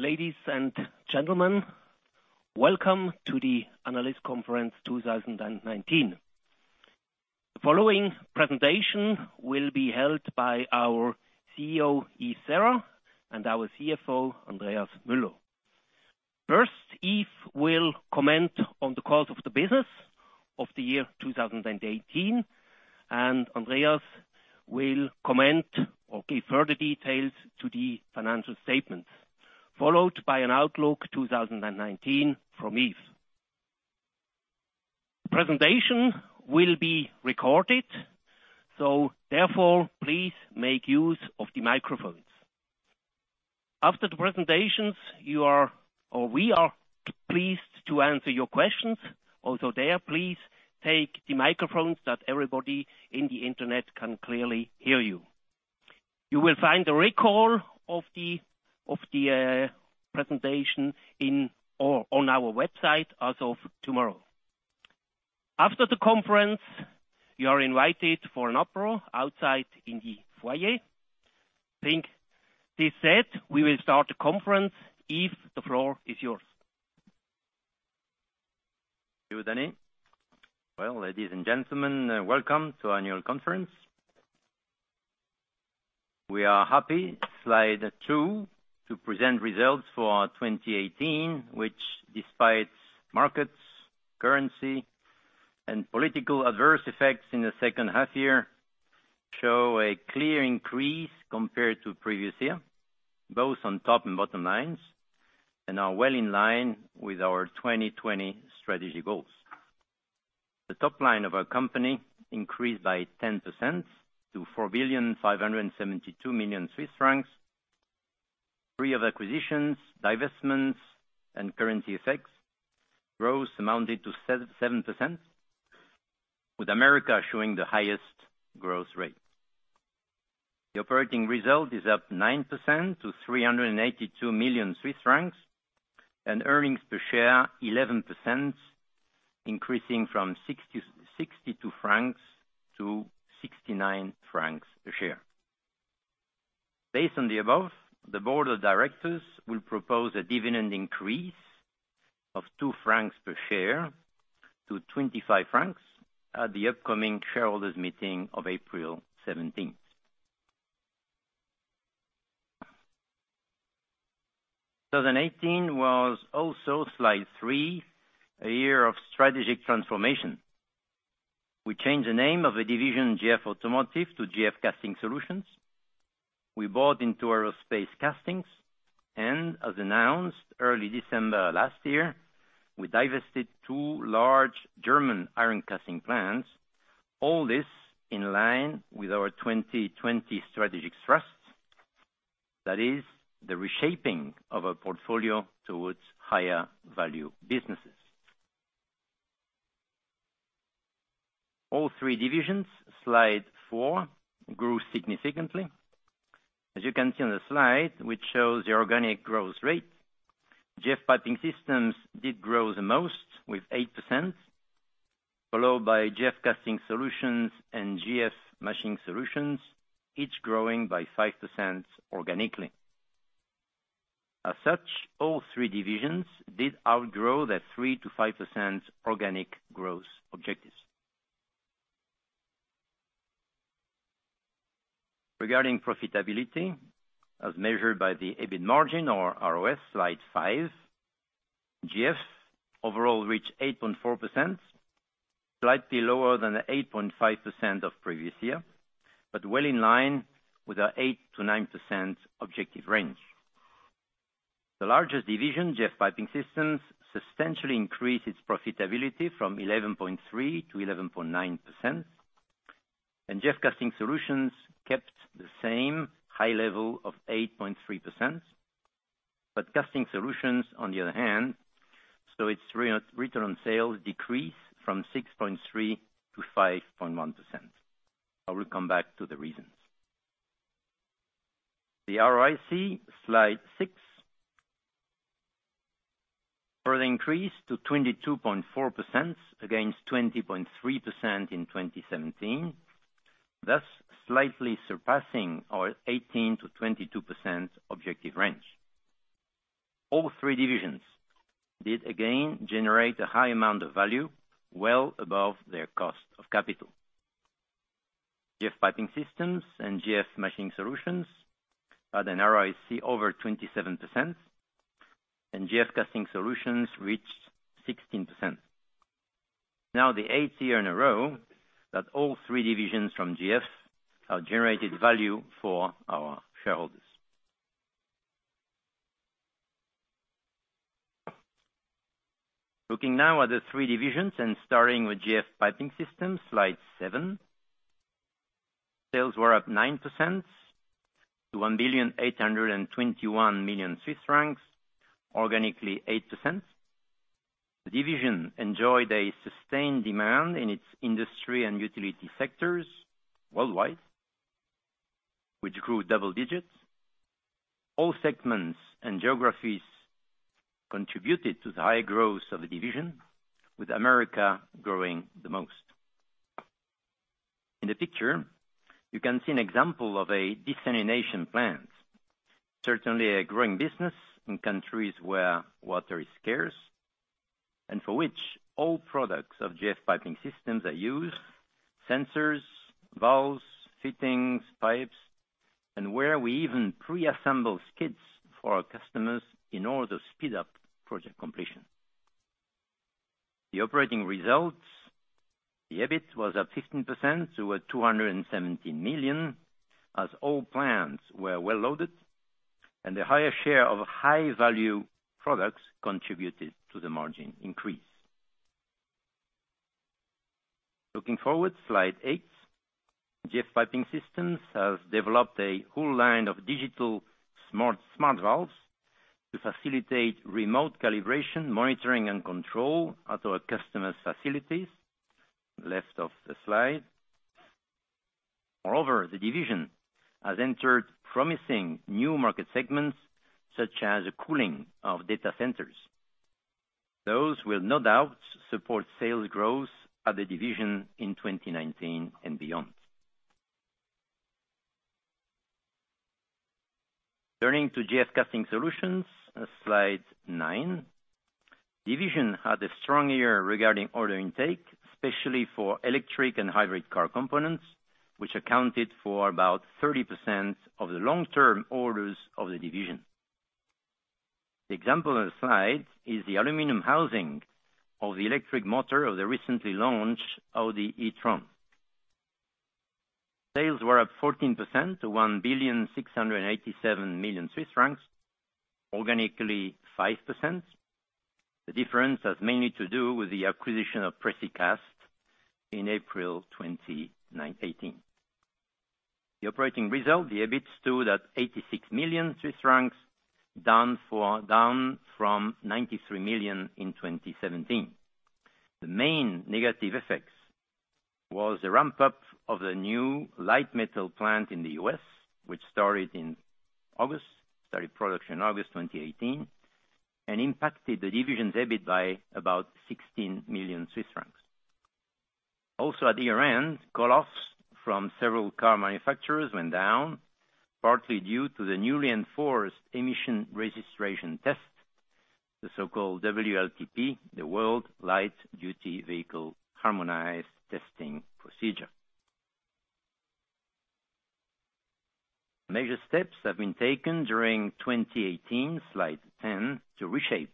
Ladies and gentlemen, welcome to the Analyst Conference 2019. The following presentation will be held by our CEO, Yves Serra, and our CFO, Andreas Müller. First, Yves will comment on the course of the business of the year 2018, Andreas will comment or give further details to the financial statements, followed by an outlook 2019 from Yves. The presentation will be recorded, therefore, please make use of the microphones. After the presentations, we are pleased to answer your questions. Also there, please take the microphones that everybody in the internet can clearly hear you. You will find a record of the presentation on our website as of tomorrow. After the conference, you are invited for an apéro outside in the foyer. I think this said, we will start the conference. Yves, the floor is yours. Thank you, Danny. Well, ladies and gentlemen, welcome to annual conference. We are happy, slide two, to present results for our 2018, which despite markets, currency, and political adverse effects in the second half year, show a clear increase compared to previous year, both on top and bottom lines, and are well in line with our 2020 strategy goals. The top line of our company increased by 10% to 4 billion Swiss francs 572 million. Free of acquisitions, divestments, and currency effects, growth amounted to 7%, with America showing the highest growth rate. The operating result is up 9% to 382 million Swiss francs, and earnings per share 11%, increasing from 62 francs to 69 francs a share. Based on the above, the board of directors will propose a dividend increase of two CHF per share to 25 francs at the upcoming shareholders meeting of April 17th. 2018 was also, slide three, a year of strategic transformation. We changed the name of a division, GF Automotive to GF Casting Solutions. We bought into Aerospace Castings, and as announced early December last year, we divested two large German iron casting plants. All this in line with our 2020 strategic thrust. That is the reshaping of our portfolio towards higher value businesses. All three divisions, slide four, grew significantly. As you can see on the slide, which shows the organic growth rate, GF Piping Systems did grow the most with 8%, followed by GF Casting Solutions and GF Machining Solutions, each growing by 5% organically. As such, all three divisions did outgrow their 3%-5% organic growth objectives. Regarding profitability, as measured by the EBIT margin or ROS, slide five, GF overall reached 8.4%, slightly lower than the 8.5% of previous year, but well in line with our 8%-9% objective range. The largest division, GF Piping Systems, substantially increased its profitability from 11.3% to 11.9%, and GF Casting Solutions kept the same high level of 8.3%. Casting Solutions, on the other hand, saw its return on sales decrease from 6.3% to 5.1%. I will come back to the reasons. The ROIC, slide six, further increased to 22.4% against 20.3% in 2017, thus slightly surpassing our 18%-22% objective range. All three divisions did again generate a high amount of value well above their cost of capital. GF Piping Systems and GF Machining Solutions had an ROIC over 27%, and GF Casting Solutions reached 16%. Now the eighth year in a row that all three divisions from GF have generated value for our shareholders. Looking now at the three divisions and starting with GF Piping Systems, slide seven. Sales were up 9% to 1,821 million Swiss francs, organically 8%. The division enjoyed a sustained demand in its industry and utility sectors worldwide, which grew double digits. All segments and geographies contributed to the high growth of the division, with America growing the most. In the picture, you can see an example of a desalination plant. Certainly a growing business in countries where water is scarce, and for which all products of GF Piping Systems are used, sensors, valves, fittings, pipes, and where we even pre-assemble skids for our customers in order to speed up project completion. The operating results, the EBIT was up 15% to 217 million, as all plants were well loaded, and the higher share of high-value products contributed to the margin increase. Looking forward, slide eight. GF Piping Systems has developed a whole line of digital smart valves to facilitate remote calibration, monitoring, and control at our customer's facilities, left of the slide. Moreover, the division has entered promising new market segments, such as the cooling of data centers. Those will no doubt support sales growth at the division in 2019 and beyond. Turning to GF Casting Solutions, slide nine. The division had a strong year regarding order intake, especially for electric and hybrid car components, which accounted for about 30% of the long-term orders of the division. The example on the slide is the aluminum housing of the electric motor of the recently launched Audi e-tron. Sales were up 14% to 1,687 million Swiss francs, organically 5%. The difference has mainly to do with the acquisition of Precicast in April 2018. The operating result, the EBIT stood at 86 million Swiss francs, down from 93 million in 2017. The main negative effects was the ramp-up of the new light metal plant in the U.S., which started production in August 2018 and impacted the division's EBIT by about 16 million Swiss francs. Also at year-end, call-offs from several car manufacturers went down, partly due to the newly enforced emission registration test, the so-called WLTP, the Worldwide Harmonized Light Vehicles Test Procedure. Major steps have been taken during 2018, slide 10, to reshape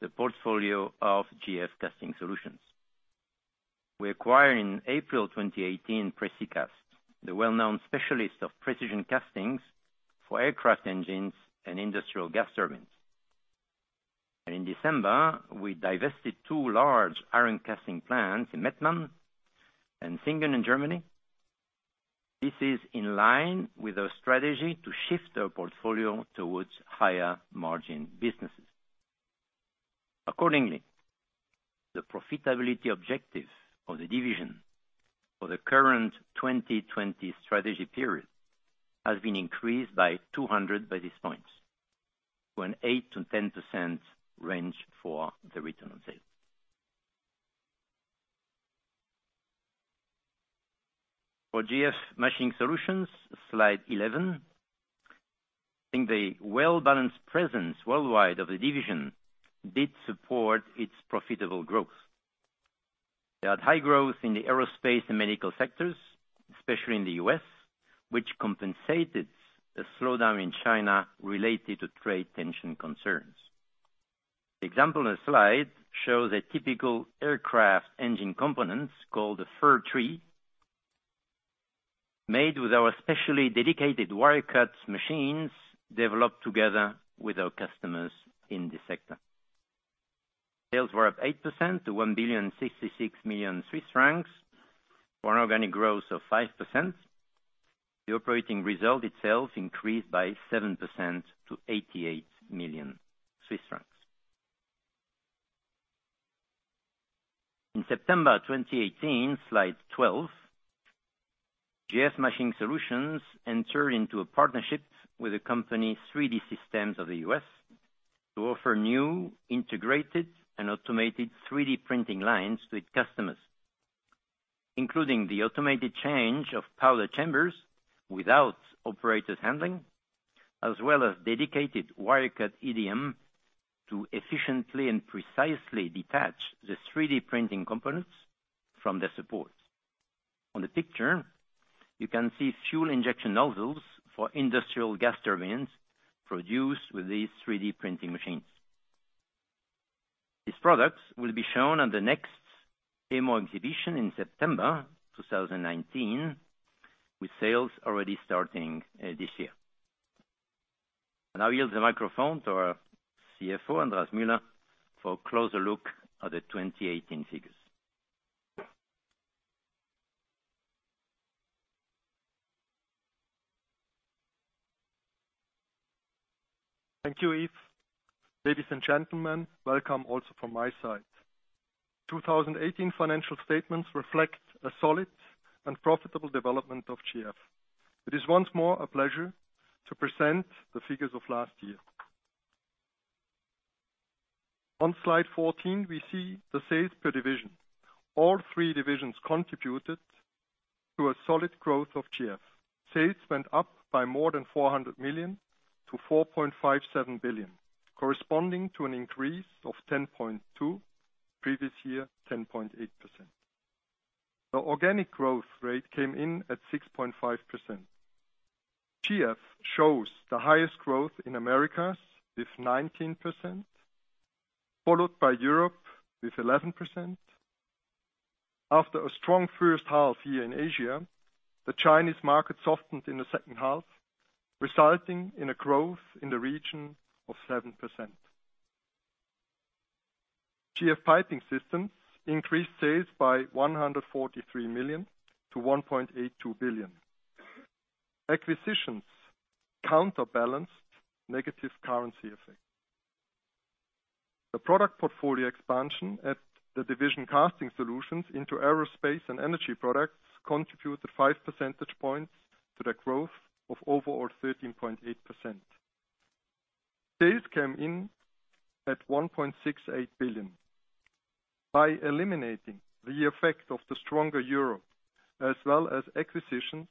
the portfolio of GF Casting Solutions. We acquired, in April 2018, Precicast, the well-known specialist of precision castings for aircraft engines and industrial gas turbines. In December, we divested two large iron casting plants in Mettmann and Singen in Germany. This is in line with our strategy to shift our portfolio towards higher margin businesses. Accordingly, the profitability objective of the division for the current 2020 strategy period has been increased by 200 basis points, to an 8%-10% range for the return on sales. For GF Machining Solutions, slide 11. I think the well-balanced presence worldwide of the division did support its profitable growth. They had high growth in the aerospace and medical sectors, especially in the U.S., which compensated the slowdown in China related to trade tension concerns. The example on the slide shows a typical aircraft engine component called the fir tree, made with our specially dedicated wire cuts machines developed together with our customers in this sector. Sales were up 8% to 1,066 million Swiss francs. For an organic growth of 5%. The operating result itself increased by 7% to 88 million Swiss francs. In September 2018, slide 12, GF Machining Solutions entered into a partnership with a company, 3D Systems of the U.S., to offer new integrated and automated 3D printing lines to its customers, including the automated change of powder chambers without operators handling, as well as dedicated wire cut EDM to efficiently and precisely detach the 3D printing components from their support. On the picture, you can see fuel injection nozzles for industrial gas turbines produced with these 3D printing machines. These products will be shown at the next EMO exhibition in September 2019, with sales already starting this year. I now yield the microphone to our CFO, Andreas Müller, for a closer look at the 2018 figures. Thank you, Yves. Ladies and gentlemen, welcome also from my side. 2018 financial statements reflect a solid and profitable development of GF. It is once more a pleasure to present the figures of last year. On slide 14, we see the sales per division. All three divisions contributed to a solid growth of GF. Sales went up by more than 400 million to 4.57 billion, corresponding to an increase of 10.2%, previous year, 10.8%. The organic growth rate came in at 6.5%. GF shows the highest growth in Americas with 19%, followed by Europe with 11%. After a strong first half year in Asia, the Chinese market softened in the second half, resulting in a growth in the region of 7%. GF Piping Systems increased sales by 143 million to 1.82 billion. Acquisitions counterbalanced negative currency effect. The product portfolio expansion at the division Casting Solutions into aerospace and energy products contributed five percentage points to the growth of overall 13.8%. Sales came in at 1.68 billion. By eliminating the effect of the stronger Euro, as well as acquisitions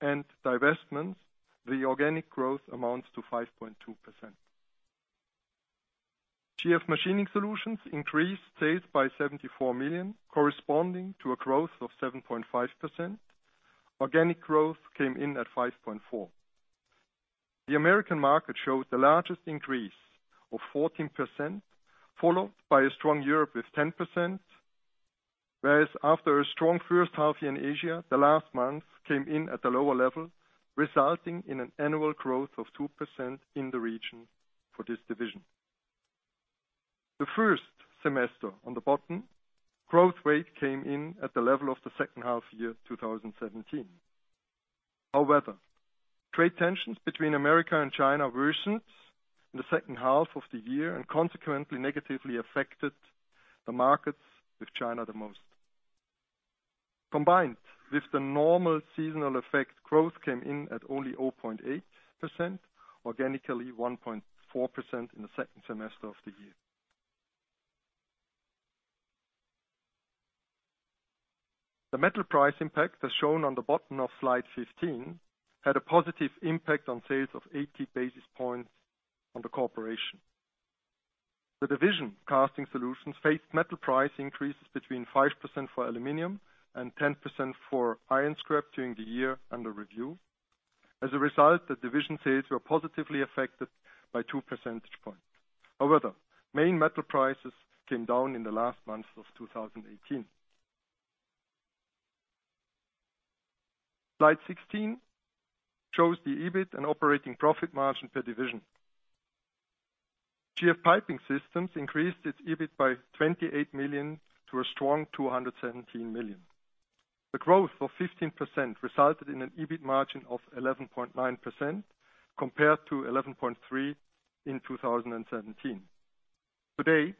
and divestments, the organic growth amounts to 5.2%. GF Machining Solutions increased sales by 74 million, corresponding to a growth of 7.5%. Organic growth came in at 5.4%. The American market showed the largest increase of 14%, followed by a strong Europe with 10%, whereas after a strong first half year in Asia, the last month came in at a lower level, resulting in an annual growth of 2% in the region for this division. The first semester, on the bottom, growth rate came in at the level of the second half year 2017. Trade tensions between America and China worsened in the second half of the year and consequently negatively affected the markets, with China the most. Combined with the normal seasonal effect, growth came in at only 0.8%, organically 1.4% in the second semester of the year. The metal price impact, as shown on the bottom of slide 15, had a positive impact on sales of 80 basis points on the corporation. The division Casting Solutions faced metal price increases between 5% for aluminum and 10% for iron scrap during the year under review. As a result, the division sales were positively affected by two percentage points. Main metal prices came down in the last months of 2018. Slide 16 shows the EBIT and operating profit margin per division. GF Piping Systems increased its EBIT by 28 million to a strong 217 million. The growth of 15% resulted in an EBIT margin of 11.9% compared to 11.3% in 2017. Today,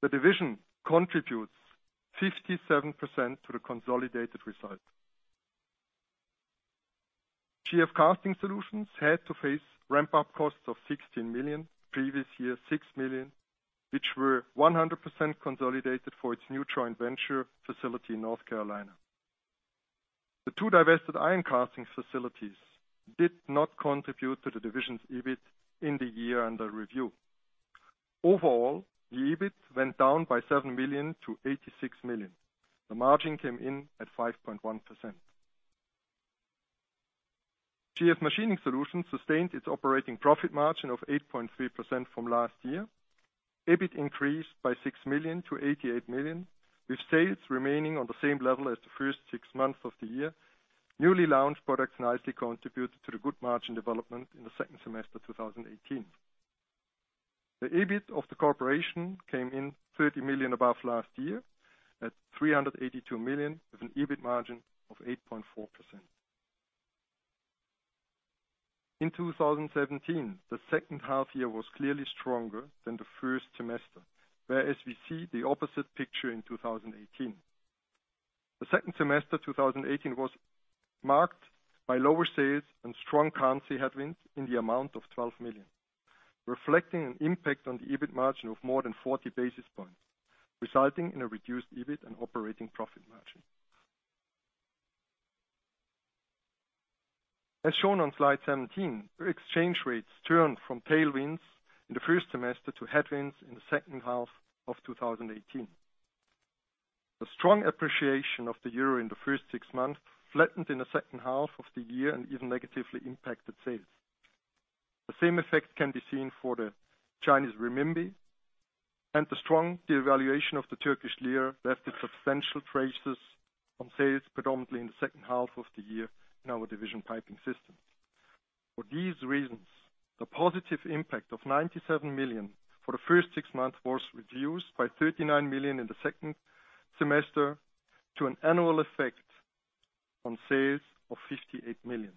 the division contributes 57% to the consolidated result. GF Casting Solutions had to face ramp-up costs of 16 million, previous year, 6 million, which were 100% consolidated for its new joint venture facility in North Carolina. The two divested iron casting facilities did not contribute to the division's EBIT in the year under review. Overall, the EBIT went down by 7 million to 86 million. The margin came in at 5.1%. GF Machining Solutions sustained its operating profit margin of 8.3% from last year. EBIT increased by 6 million to 88 million, with sales remaining on the same level as the first six months of the year. Newly launched products nicely contributed to the good margin development in the second semester 2018. The EBIT of the corporation came in 30 million above last year at 382 million, with an EBIT margin of 8.4%. In 2017, the second half year was clearly stronger than the first semester, whereas we see the opposite picture in 2018. The second semester 2018 was marked by lower sales and strong currency headwinds in the amount of 12 million, reflecting an impact on the EBIT margin of more than 40 basis points, resulting in a reduced EBIT and operating profit margin. As shown on slide 17, exchange rates turned from tailwinds in the first semester to headwinds in the second half of 2018. The strong appreciation of the Euro in the first six months flattened in the second half of the year and even negatively impacted sales. The same effect can be seen for the Chinese renminbi. The strong devaluation of the Turkish lira left substantial traces on sales predominantly in the second half of the year in our division GF Piping Systems. For these reasons, the positive impact of 97 million for the first six months was reduced by 39 million in the second semester to an annual effect on sales of 58 million.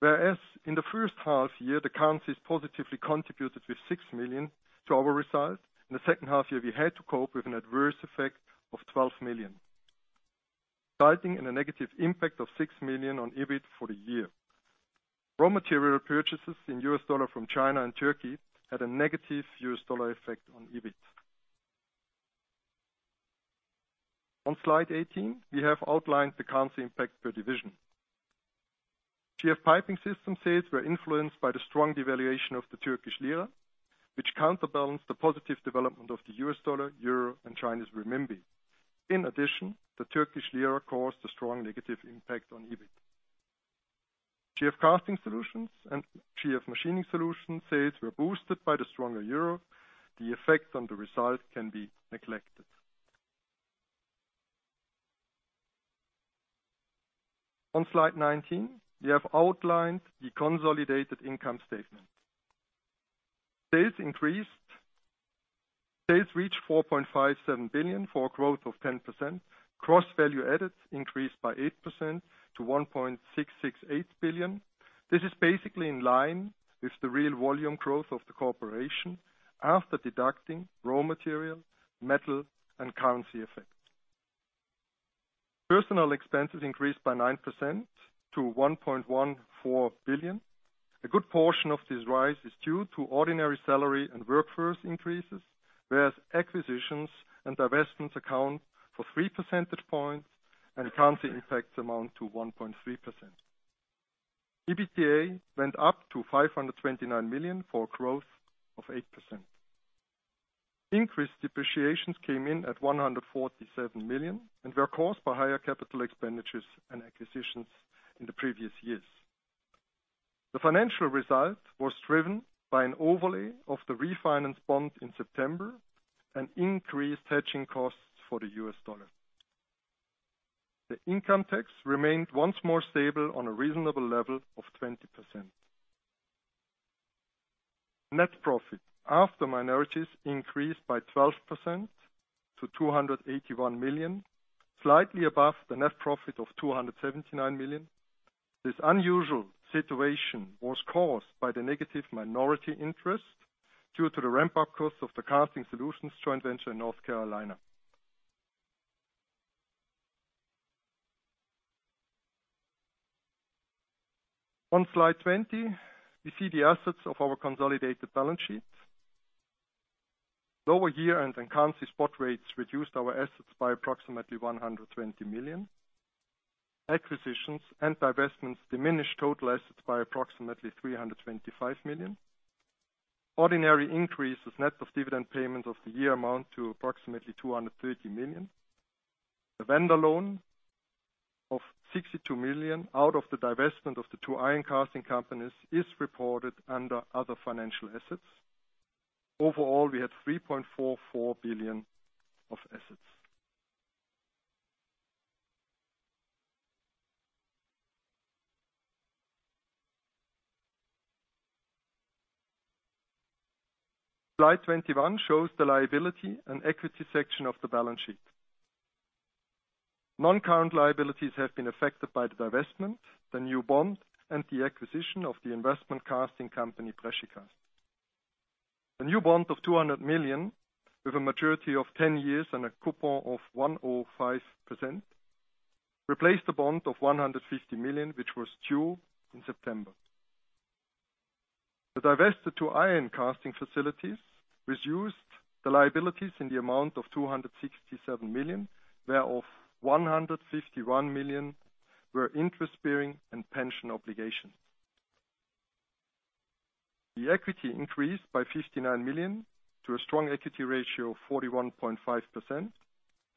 Whereas in the first half year, the currencies positively contributed with 6 million to our results. In the second half year, we had to cope with an adverse effect of 12 million, resulting in a negative impact of 6 million on EBIT for the year. Raw material purchases in US dollar from China and Turkey had a negative US dollar effect on EBIT. On slide 18, we have outlined the currency impact per division. GF Piping Systems sales were influenced by the strong devaluation of the Turkish lira, which counterbalanced the positive development of the US dollar, Euro, and Chinese renminbi. In addition, the Turkish lira caused a strong negative impact on EBIT. GF Casting Solutions and GF Machining Solutions sales were boosted by the stronger Euro. The effects on the result can be neglected. On slide 19, we have outlined the consolidated income statement. Sales reached 4.57 billion for a growth of 10%. Gross value added increased by 8% to 1.668 billion. This is basically in line with the real volume growth of the corporation after deducting raw material, metal, and currency effects. Personnel expenses increased by 9% to 1.14 billion. A good portion of this rise is due to ordinary salary and workforce increases, whereas acquisitions and divestments account for three percentage points and currency impacts amount to 1.3%. EBITDA went up to 529 million for a growth of 8%. Increased depreciations came in at 147 million and were caused by higher CapEx and acquisitions in the previous years. The financial result was driven by an overlay of the refinance bond in September and increased hedging costs for the USD. The income tax remained, once more, stable on a reasonable level of 20%. Net profit, after minorities, increased by 12% to 281 million. Slightly above the net profit of 279 million. This unusual situation was caused by the negative minority interest due to the ramp-up cost of the Casting Solutions joint venture in North Carolina. On slide 20, we see the assets of our consolidated balance sheets. Lower year-end and currency spot rates reduced our assets by approximately 120 million. Acquisitions and divestments diminished total assets by approximately 325 million. Ordinary increases, net of dividend payment of the year, amount to approximately 230 million. The vendor loan of 62 million out of the divestment of the two iron casting companies is reported under other financial assets. Overall, we had 3.44 billion of assets. Slide 21 shows the liability and equity section of the balance sheet. Non-current liabilities have been affected by the divestment, the new bond, and the acquisition of the investment casting company, Precicast. The new bond of 200 million with a maturity of 10 years and a coupon of 1.05% replaced a bond of 150 million, which was due in September. The divested two iron casting facilities reduced the liabilities in the amount of 267 million, whereof 151 million were interest-bearing and pension obligations. The equity increased by 59 million to a strong equity ratio of 41.5%.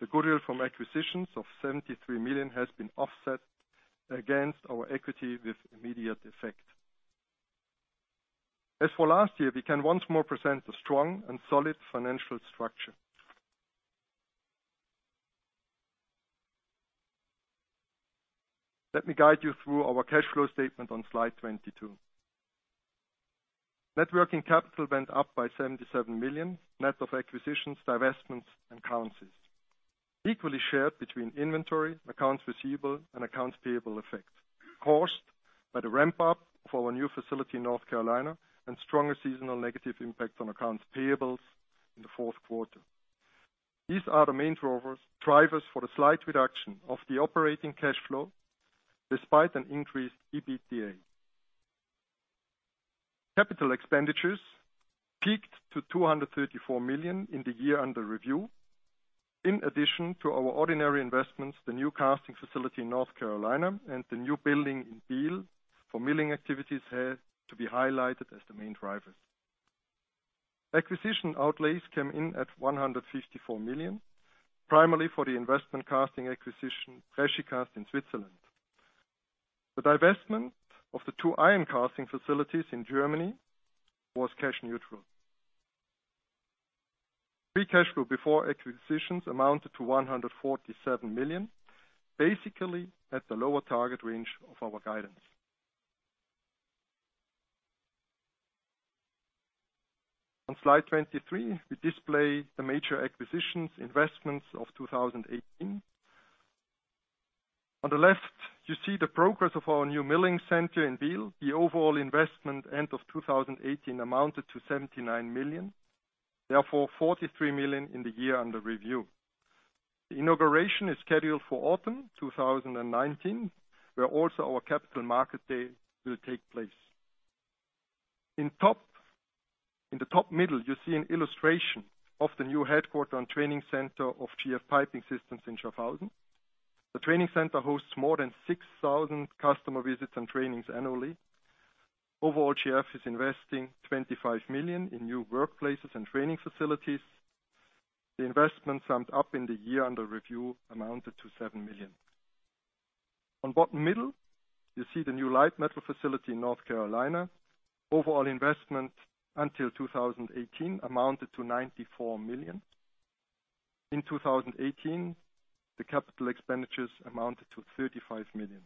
The goodwill from acquisitions of 73 million has been offset against our equity with immediate effect. As for last year, we can once more present a strong and solid financial structure. Let me guide you through our cash flow statement on slide 22. Net working capital went up by 77 million, net of acquisitions, divestments, and currencies. Equally shared between inventory, accounts receivable, and accounts payable effect, caused by the ramp-up for our new facility in North Carolina and stronger seasonal negative impact on accounts payables in the fourth quarter. These are the main drivers for the slight reduction of the operating cash flow despite an increased EBITDA. CapEx peaked to 234 million in the year under review. In addition to our ordinary investments, the new casting facility in North Carolina and the new building in Biel for milling activities had to be highlighted as the main drivers. Acquisition outlays came in at 154 million, primarily for the investment casting acquisition, Precicast, in Switzerland. The divestment of the two iron casting facilities in Germany was cash neutral. Free cash flow before acquisitions amounted to 147 million, basically at the lower target range of our guidance. On slide 23, we display the major acquisitions, investments of 2018. On the left, you see the progress of our new milling center in Biel. The overall investment end of 2018 amounted to 79 million. Therefore, 43 million in the year under review. The inauguration is scheduled for autumn 2019, where also our capital market day will take place. In the top middle, you see an illustration of the new headquarter and training center of GF Piping Systems in Schaffhausen. The training center hosts more than 6,000 customer visits and trainings annually. Overall, GF is investing 25 million in new workplaces and training facilities. The investment summed up in the year under review amounted to 7 million. On bottom middle, you see the new light metal facility in North Carolina. Overall investment until 2018 amounted to 94 million. In 2018, the capital expenditures amounted to 35 million.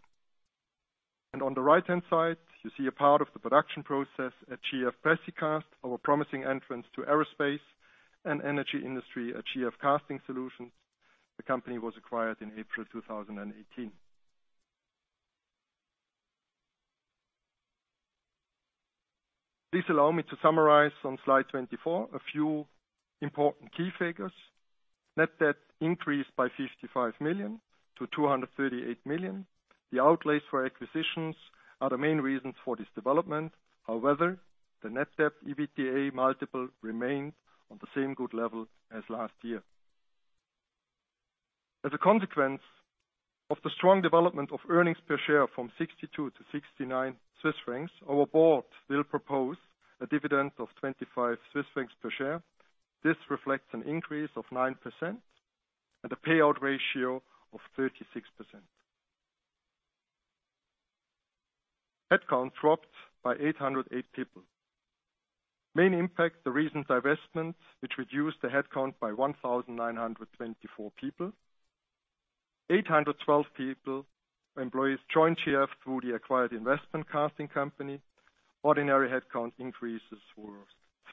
On the right-hand side, you see a part of the production process at GF Cast, our promising entrance to aerospace and energy industry at GF Casting Solutions. The company was acquired in April 2018. Please allow me to summarize on slide 24 a few important key figures. Net debt increased by 55 million to 238 million. The outlays for acquisitions are the main reasons for this development. However, the net debt EBITDA multiple remained on the same good level as last year. As a consequence of the strong development of earnings per share from 62 to 69 Swiss francs, our board will propose a dividend of 25 Swiss francs per share. This reflects an increase of 9% and a payout ratio of 36%. Headcount dropped by 808 people. Main impact, the recent divestments, which reduced the headcount by 1,924 people. 812 people, employees joined GF through the acquired investment casting company. Ordinary headcount increases were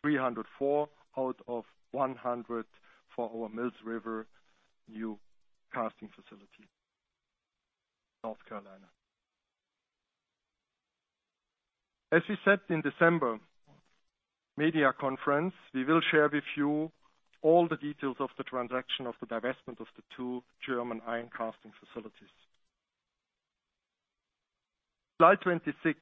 304 out of 100 for our Mills River new casting facility, North Carolina. As we said in December media conference, we will share with you all the details of the transaction of the divestment of the two German iron casting facilities. Slide 26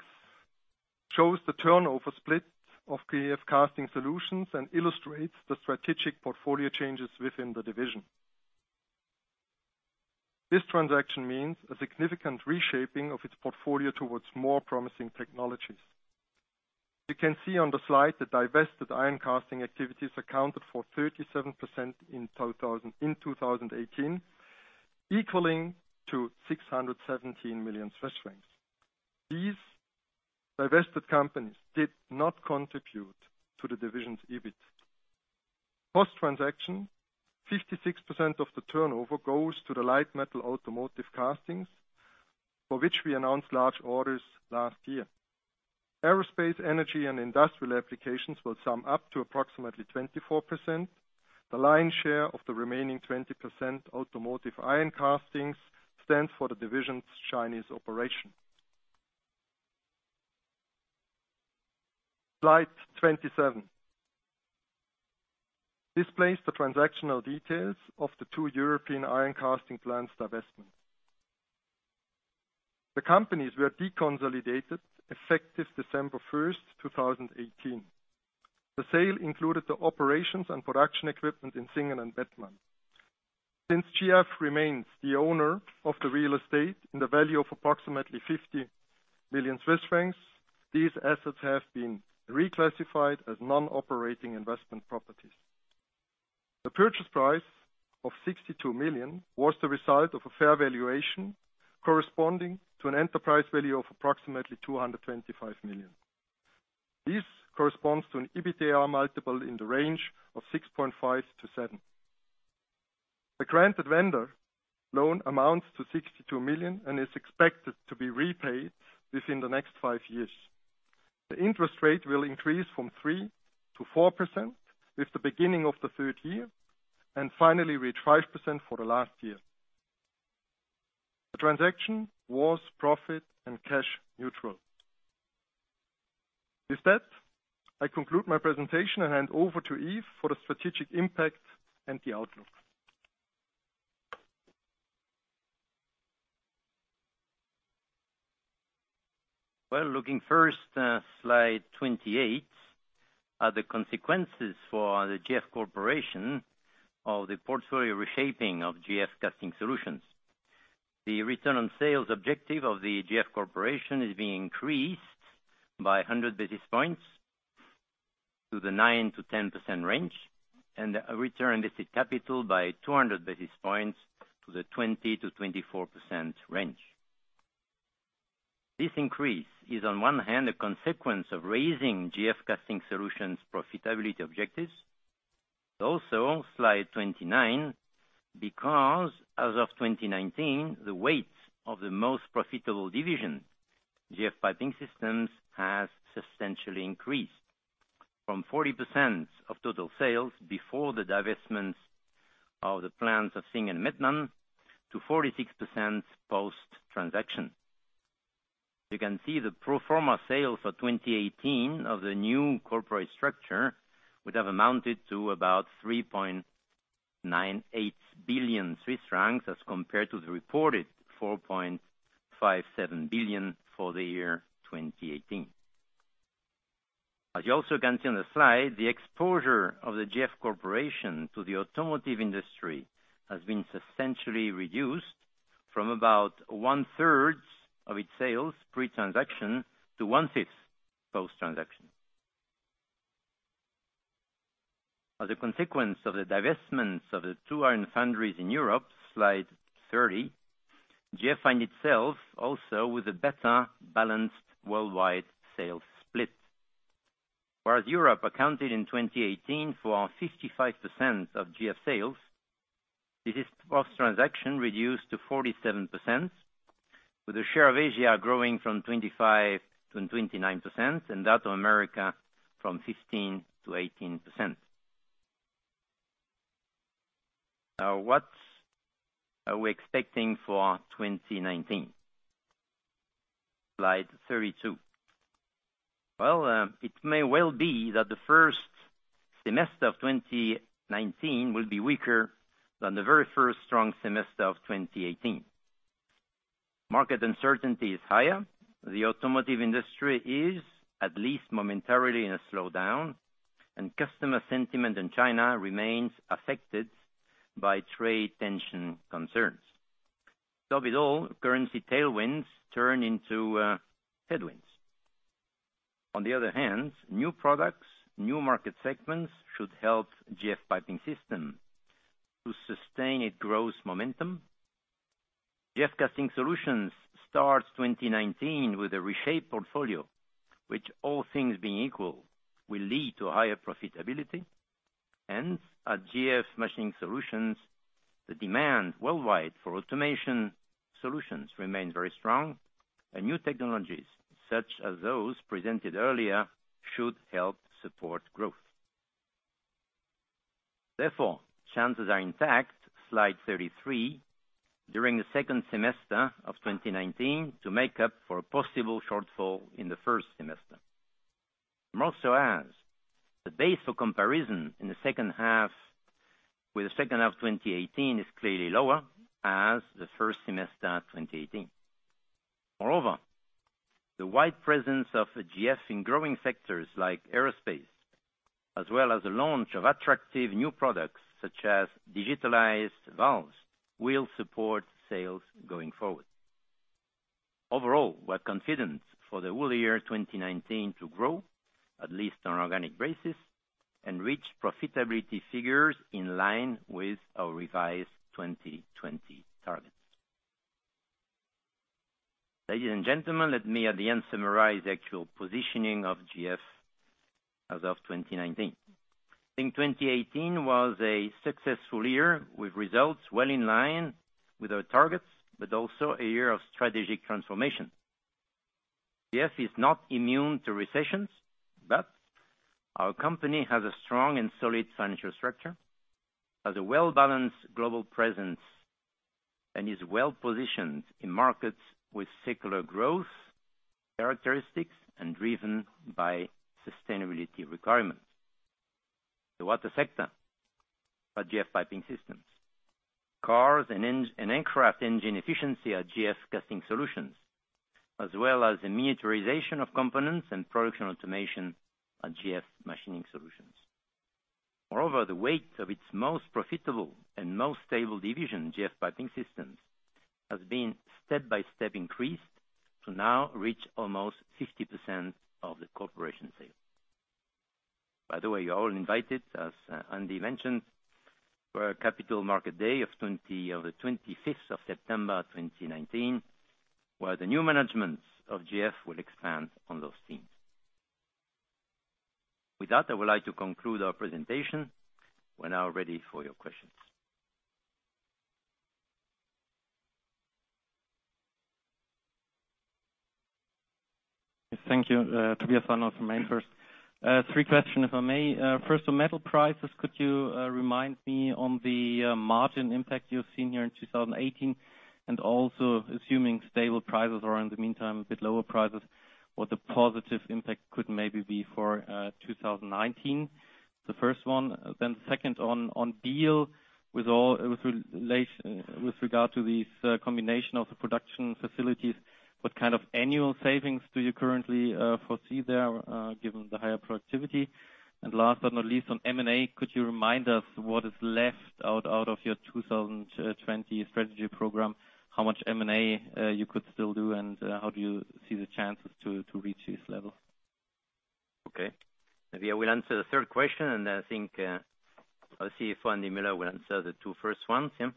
shows the turnover split of GF Casting Solutions and illustrates the strategic portfolio changes within the division. This transaction means a significant reshaping of its portfolio towards more promising technologies. You can see on the slide the divested iron casting activities accounted for 37% in 2018, equaling to CHF 617 million. These divested companies did not contribute to the division's EBIT. Post-transaction, 56% of the turnover goes to the light metal automotive castings, for which we announced large orders last year. Aerospace, energy, and industrial applications will sum up to approximately 24%. The lion's share of the remaining 20% automotive iron castings stands for the division's Chinese operation. Slide 27. This displays the transactional details of the two European iron casting plants divestment. The companies were deconsolidated effective December 1st, 2018. The sale included the operations and production equipment in Singen and Mettmann. Since GF remains the owner of the real estate in the value of approximately 50 million Swiss francs, these assets have been reclassified as non-operating investment properties. The purchase price of 62 million was the result of a fair valuation corresponding to an enterprise value of approximately 225 million. This corresponds to an EBITDA multiple in the range of 6.5-7. The granted vendor loan amounts to 62 million and is expected to be repaid within the next five years. The interest rate will increase from 3% to 4% with the beginning of the third year, and finally reach 5% for the last year. The transaction was profit and cash-neutral. With that, I conclude my presentation and hand over to Yves for the strategic impact and the outlook. Well, looking first at slide 28 at the consequences for the GF Corporation of the portfolio reshaping of GF Casting Solutions. The return on sales objective of the GF Corporation is being increased by 100 basis points to the 9%-10% range, and return on invested capital by 200 basis points to the 20%-24% range. This increase is, on one hand, a consequence of raising GF Casting Solutions profitability objectives. Also, slide 29, because as of 2019, the weight of the most profitable division, GF Piping Systems, has substantially increased from 40% of total sales before the divestment of the plans of Singen and Mettmann, to 46% post-transaction. You can see the pro forma sales for 2018 of the new corporate structure would have amounted to about 3.98 billion Swiss francs as compared to the reported 4.57 billion for the year 2018. As you also can see on the slide, the exposure of the GF Corporation to the automotive industry has been substantially reduced from about one-third of its sales pre-transaction to one-fifth post-transaction. As a consequence of the divestments of the two iron foundries in Europe, slide 30, GF find itself also with a better balanced worldwide sales split. Whereas Europe accounted in 2018 for 55% of GF sales, this is post-transaction reduced to 47%, with the share of Asia growing from 25%-29%, and that of America from 15%-18%. What are we expecting for 2019? Slide 32. Well, it may well be that the first semester of 2019 will be weaker than the very first strong semester of 2018. Market uncertainty is higher. The automotive industry is at least momentarily in a slowdown, and customer sentiment in China remains affected by trade tension concerns. To top it all, currency tailwinds turn into headwinds. On the other hand, new products, new market segments should help GF Piping Systems to sustain its growth momentum. GF Casting Solutions starts 2019 with a reshaped portfolio, which all things being equal, will lead to higher profitability. At GF Machining Solutions, the demand worldwide for automation solutions remains very strong. New technologies, such as those presented earlier, should help support growth. Therefore, chances are intact, slide 33, during the second semester of 2019, to make up for a possible shortfall in the first semester. More so as the base for comparison in the second half with the second half of 2018 is clearly lower as the first semester 2018. Moreover, the wide presence of GF in growing sectors like aerospace, as well as the launch of attractive new products such as digitalized valves, will support sales going forward. Overall, we're confident for the whole year 2019 to grow at least on organic basis and reach profitability figures in line with our revised 2020 targets. Ladies and gentlemen, let me at the end summarize the actual positioning of GF as of 2019. I think 2018 was a successful year with results well in line with our targets, but also a year of strategic transformation. GF is not immune to recessions, but our company has a strong and solid financial structure, has a well-balanced global presence, and is well positioned in markets with secular growth characteristics and driven by sustainability requirements. The water sector at GF Piping Systems. Cars and aircraft engine efficiency at GF Casting Solutions, as well as the miniaturization of components and production automation at GF Machining Solutions. Moreover, the weight of its most profitable and most stable division, GF Piping Systems, has been step by step increased to now reach almost 50% of the corporation sale. By the way, you're all invited, as Andy mentioned, for our capital market day of the 25th of September 2019, where the new management of GF will expand on those themes. With that, I would like to conclude our presentation. We're now ready for your questions. Yes, thank you. Tobias Arnold from MainFirst. Three questions if I may. First, on metal prices, could you remind me on the margin impact you've seen here in 2018? Also assuming stable prices or in the meantime, a bit lower prices, what the positive impact could maybe be for 2019? The first one, then second on Biel with regard to these combination of the production facilities, what kind of annual savings do you currently foresee there, given the higher productivity? Last but not least, on M&A, could you remind us what is left out of your 2020 strategy program? How much M&A you could still do, and how do you see the chances to reach this level? Okay. Maybe I will answer the third question and I think I'll see if Andreas Müller will answer the two first ones, yeah.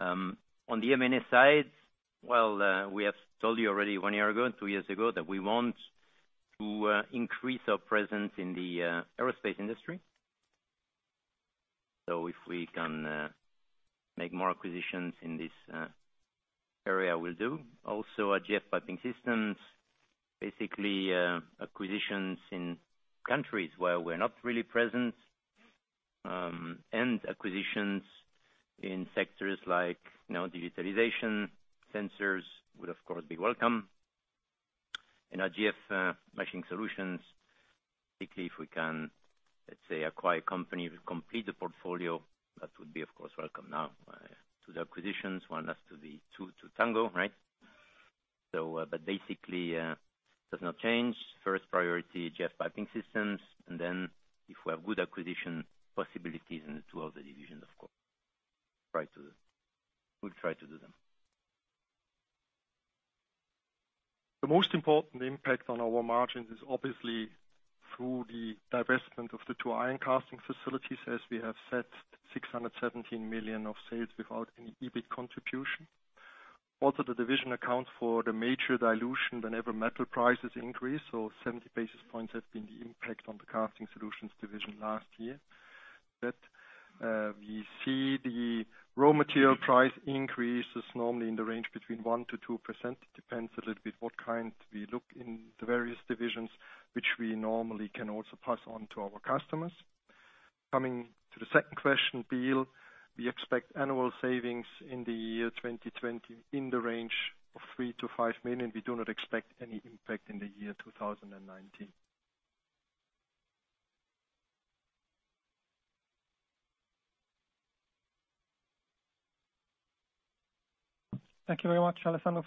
On the M&A side, well, we have told you already one year ago and two years ago that we want to increase our presence in the aerospace industry. If we can make more acquisitions in this area, we'll do. Also at GF Piping Systems, basically, acquisitions in countries where we're not really present. Acquisitions in sectors like digitalization, sensors would of course be welcome. In GF Machining Solutions, basically, if we can, let's say, acquire a company to complete the portfolio, that would be, of course, welcome. Now, to the acquisitions, one has to be two to tango, right? Basically, does not change. First priority, GF Piping Systems, and then if we have good acquisition possibilities in the two other divisions, of course. We'll try to do them. The most important impact on our margins is obviously through the divestment of the two iron casting facilities as we have said, 617 million of sales without any EBIT contribution. The division account for the major dilution whenever metal prices increase, so 70 basis points has been the impact on the GF Casting Solutions division last year. We see the raw material price increases normally in the range between 1%-2%. It depends a little bit what kind we look in the various divisions, which we normally can also pass on to our customers. Coming to the second question, Biel, we expect annual savings in the year 2020 in the range of 3 million-5 million. We do not expect any impact in the year 2019. Thank you very much. Alessandro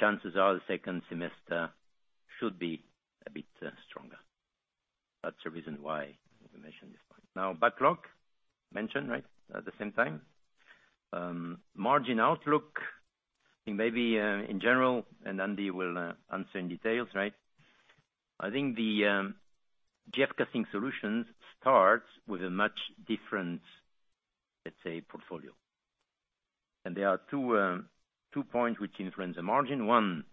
Chances are the second semester should be a bit stronger. That's the reason why we mentioned this point. Backlog, mentioned at the same time. Margin outlook, maybe in general, Andy will answer in details. I think the GF Casting Solutions starts with a much different, let's say, portfolio. There are two points which influence the margin. One,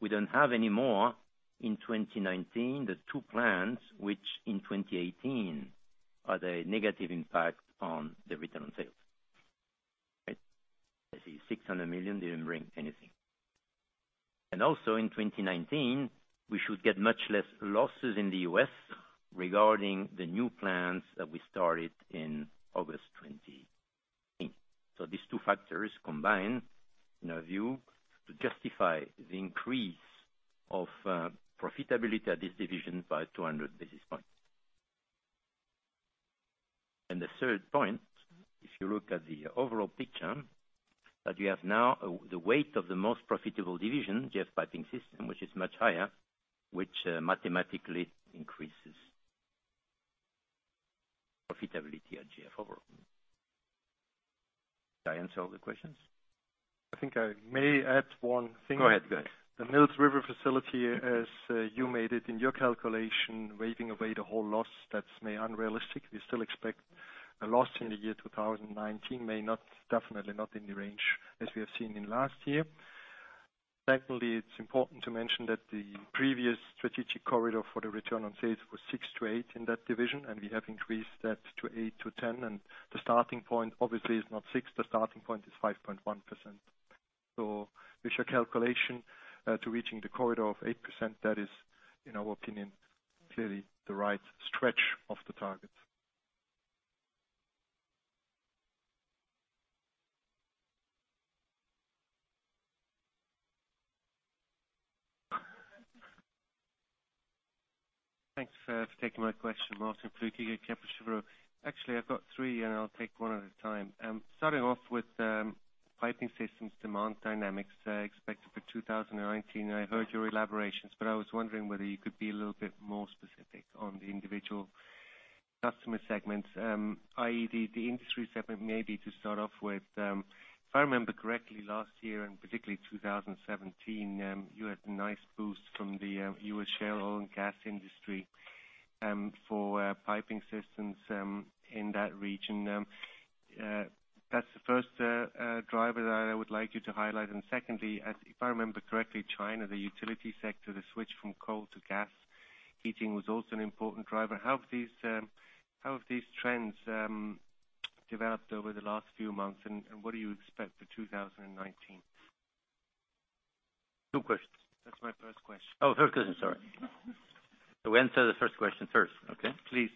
we do not have any more in 2019, the two plants which in 2018 are the negative impact on the return on sales. Let's see, 600 million did not bring anything. Also in 2019, we should get much less losses in the U.S. regarding the new plants that we started in August 2018. These two factors combine, in our view, to justify the increase of profitability at this division by 200 basis points. The third point, if you look at the overall picture, that we have now the weight of the most profitable division, GF Piping Systems, which is much higher, which mathematically increases profitability at GF overall. Did I answer all the questions? I think I may add one thing. Go ahead. The Mills River facility, as you made it in your calculation, waving away the whole loss, that's unrealistic. We still expect a loss in the year 2019, definitely not in the range as we have seen in last year. Secondly, it's important to mention that the previous strategic corridor for the ROS was 6%-8% in that division, and we have increased that to 8%-10%, and the starting point obviously is not 6%, the starting point is 5.1%. With your calculation to reaching the corridor of 8%, that is, in our opinion, clearly the right stretch of the target. Thanks for taking my question, Martin Flück, Kepler Cheuvreux. Actually, I've got three, and I'll take one at a time. Starting off with Piping Systems demand dynamics expected for 2019. I heard your elaborations, but I was wondering whether you could be a little bit more specific on the individual customer segments, i.e., the industry segment, maybe to start off with. If I remember correctly, last year and particularly 2017, you had a nice boost from the U.S. shale oil and gas industry for Piping Systems in that region. That's the first driver that I would like you to highlight. Secondly, if I remember correctly, China, the utility sector, the switch from coal to gas heating was also an important driver. How have these trends developed over the last few months, and what do you expect for 2019? Two questions. That's my first question. First question. Sorry. Answer the first question first, okay? Please.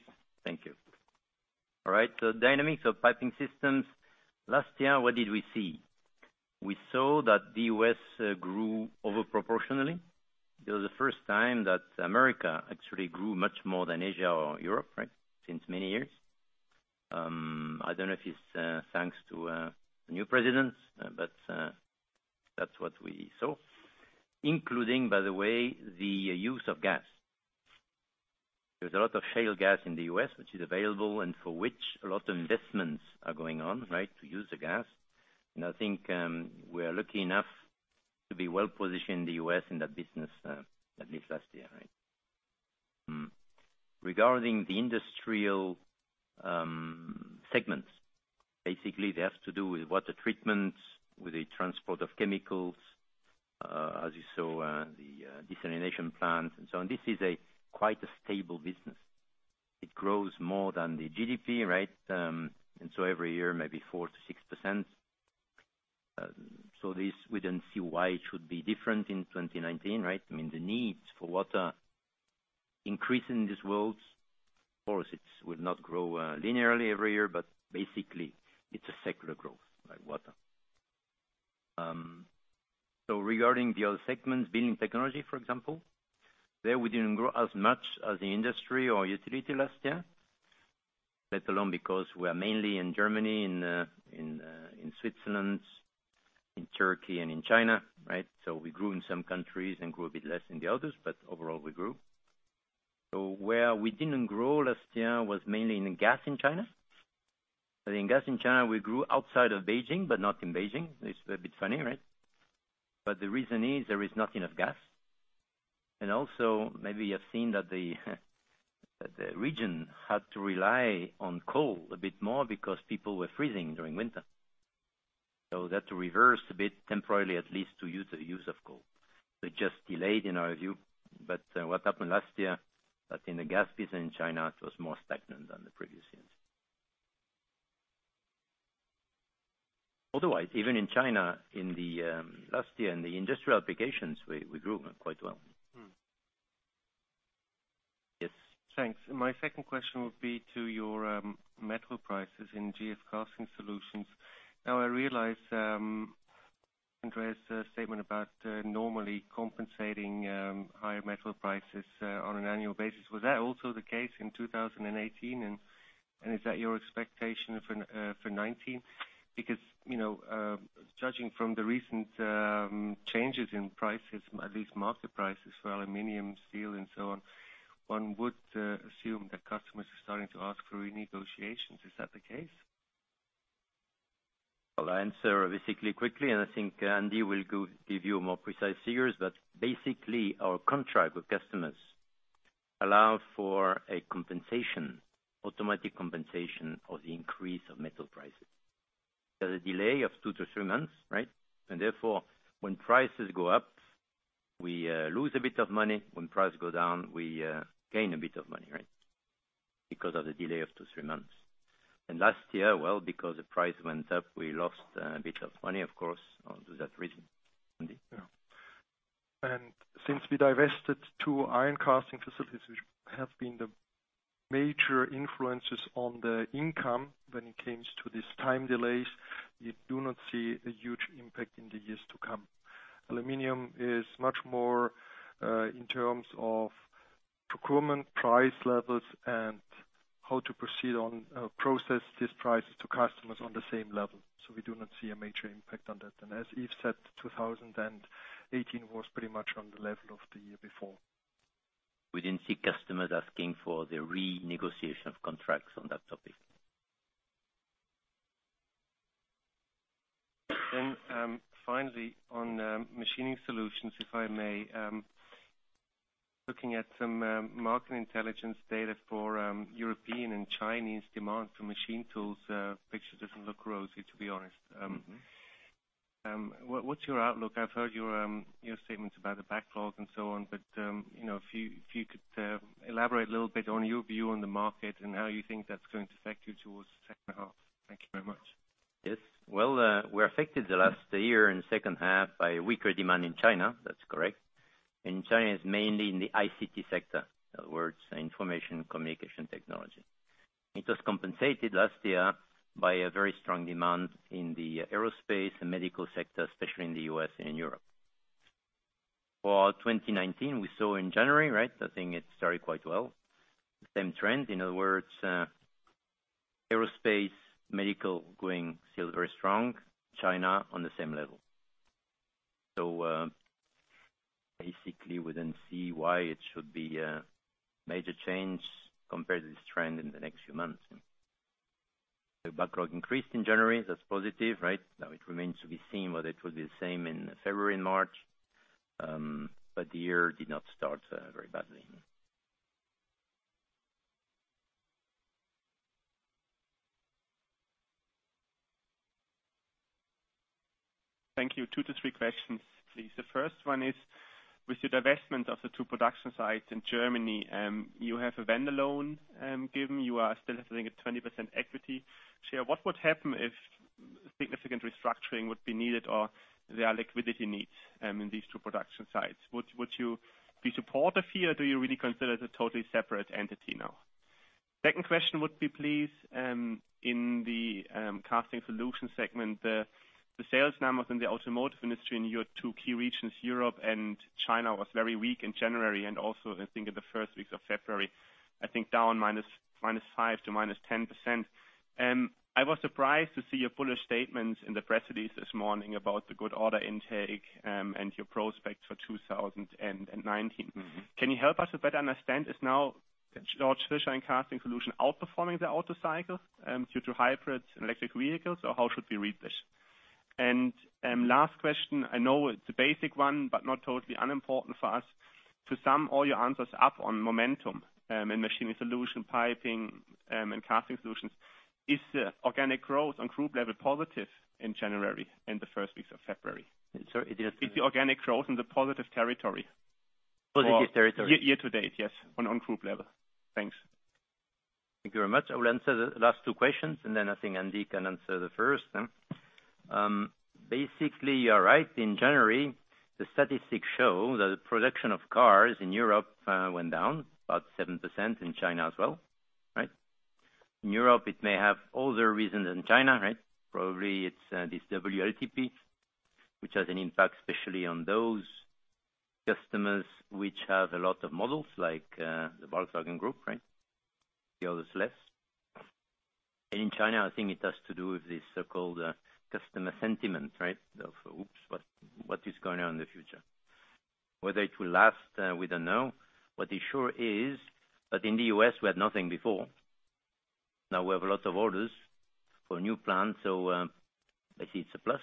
Thank you. All right. Dynamics of Piping Systems. Last year, what did we see? We saw that the U.S. grew over proportionally. It was the first time that America actually grew much more than Asia or Europe since many years. I don't know if it's thanks to a new president, but that's what we saw, including, by the way, the use of gas. There's a lot of shale gas in the U.S. which is available and for which a lot of investments are going on to use the gas. I think we are lucky enough to be well-positioned in the U.S. in that business, at least last year. Regarding the industrial segments, basically, they have to do with water treatment, with the transport of chemicals, as you saw the desalination plants, and so on. This is quite a stable business. It grows more than the GDP. Every year, maybe 4%-6%. This, we don't see why it should be different in 2019. The needs for water increase in this world. Of course, it will not grow linearly every year, but basically it's a secular growth, like water. Regarding the other segments, building technology, for example, there we didn't grow as much as the industry or utility last year. Let alone because we are mainly in Germany, in Switzerland, in Turkey and in China. We grew in some countries and grew a bit less in the others, but overall, we grew. Where we didn't grow last year was mainly in gas in China. I think gas in China, we grew outside of Beijing, but not in Beijing. It's a bit funny, right? The reason is there is not enough gas. Maybe you have seen that the region had to rely on coal a bit more because people were freezing during winter. That reversed a bit temporarily, at least to use the use of coal. They just delayed, in our view. What happened last year, that in the gas business in China, it was more stagnant than the previous years. Otherwise, even in China in the last year, in the industrial applications, we grew quite well. Yes. Thanks. My second question would be to your metal prices in GF Casting Solutions. Now I realize Andreas' statement about normally compensating higher metal prices on an annual basis. Was that also the case in 2018, and is that your expectation for 2019? Judging from the recent changes in prices, at least market prices for aluminum, steel, and so on, one would assume that customers are starting to ask for renegotiations. Is that the case? I'll answer basically quickly. I think Andy will give you more precise figures. Basically, our contract with customers allow for a compensation, automatic compensation of the increase of metal prices. There's a delay of 2-3 months. Therefore, when prices go up, we lose a bit of money. When prices go down, we gain a bit of money. Because of the delay of 2-3 months. Last year, well, because the price went up, we lost a bit of money, of course, onto that reason. Andy? Yeah. Since we divested two iron casting facilities, which have been the major influences on the income when it comes to these time delays, you do not see a huge impact in the years to come. Aluminum is much more, in terms of procurement price levels and how to proceed on, process these prices to customers on the same level. We do not see a major impact on that. As Yves said, 2018 was pretty much on the level of the year before. We didn't see customers asking for the renegotiation of contracts on that topic. Finally, on Machining Solutions, if I may. Looking at some market intelligence data for European and Chinese demand for machine tools, picture doesn't look rosy, to be honest. What's your outlook? I've heard your statements about the backlog and so on, if you could elaborate a little bit on your view on the market and how you think that's going to affect you towards the second half. Thank you very much. Yes. Well, we're affected the last year in the second half by weaker demand in China. That's correct. In China, it's mainly in the ICT sector. In other words, information communication technology. It was compensated last year by a very strong demand in the aerospace and medical sector, especially in the U.S. and in Europe. For 2019, we saw in January, I think it started quite well, same trend. In other words, aerospace, medical going still very strong, China on the same level. Basically, we didn't see why it should be a major change compared to this trend in the next few months. The backlog increased in January. That's positive. Now it remains to be seen whether it will be the same in February and March. The year did not start very badly. Thank you. Two to three questions, please. The first one is, with your divestment of the two production sites in Germany, you have a vendor loan given. You are still having a 20% equity share. What would happen if significant restructuring would be needed or there are liquidity needs in these two production sites? Would you be supportive here? Do you really consider it a totally separate entity now? Second question would be please, in the Casting Solutions segment, the sales numbers in the automotive industry in your two key regions, Europe and China, was very weak in January and also, I think, in the first weeks of February. I think down -5% to -10%. I was surprised to see your bullish statements in the press release this morning about the good order intake, and your prospects for 2019. Can you help us to better understand, is now Georg Fischer Casting Solutions outperforming the auto cycle, due to hybrids and electric vehicles, or how should we read this? Last question, I know it's a basic one, but not totally unimportant for us. To sum all your answers up on momentum, in Machining Solutions, piping, and Casting Solutions, is the organic growth on group level positive in January and the first weeks of February? Sorry, it is- Is the organic growth in the positive territory? Positive territory. Year to date, yes, on group level. Thanks. Thank you very much. I will answer the last two questions, then I think Andy can answer the first. Basically, you are right. In January, the statistics show that the production of cars in Europe went down about 7% in China as well. In Europe, it may have other reasons than China. Probably it's this WLTP, which has an impact especially on those customers which have a lot of models like the Volkswagen Group. The others less. In China, I think it has to do with the so-called customer sentiment, right? Of, oops, what is going on in the future? Whether it will last, we don't know. What is sure is that in the U.S. we had nothing before. Now we have a lot of orders for new plants, I see it's a plus.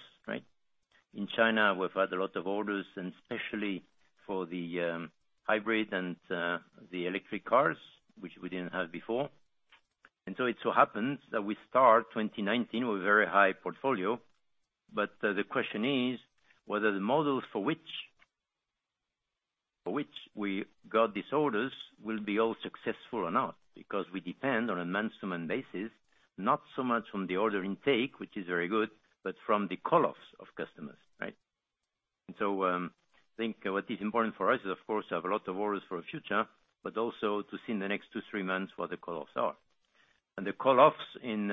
In China, we've had a lot of orders and especially for the hybrid and the electric cars, which we didn't have before. It so happens that we start 2019 with a very high portfolio. The question is whether the models for which we got these orders will be all successful or not, because we depend on a month-to-month basis, not so much from the order intake, which is very good, but from the call-offs of customers. I think what is important for us is of course to have a lot of orders for the future, but also to see in the next two, three months what the call-offs are. The call-offs in